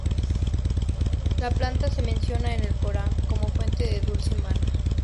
La planta se menciona en el Corán como fuente de dulce Maná.